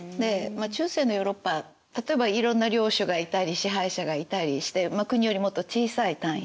中世のヨーロッパ例えばいろんな領主がいたり支配者がいたりして国よりもっと小さい単位で。